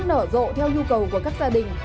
nở rộ theo nhu cầu của các gia đình